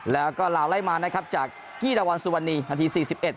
แล้วก็ลาวไล่มานะครับจากกี้ดาวันสุวรรณีนาที๔๑